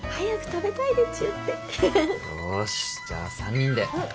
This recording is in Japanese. よしじゃあ３人で。